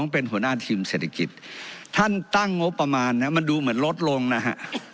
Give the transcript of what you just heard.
เป็นหัวหน้าทีมเศรษฐกิจท่านตั้งงบประมาณนะมันดูเหมือนลดลงนะฮะ